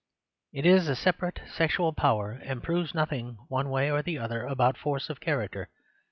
It is a separate sexual power, and proves nothing one way or the other about force of character.